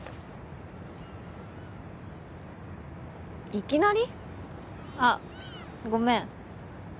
いきなり？あっごめん。